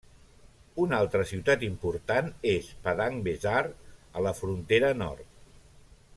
Una altra ciutat important és Padang Besar, a la frontera nord.